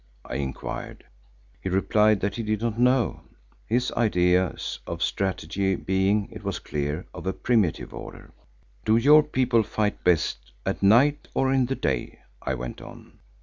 I inquired. He replied that he did not know, his ideas of strategy being, it was clear, of a primitive order. "Do your people fight best at night or in the day?" I went on.